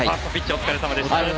お疲れさまでした。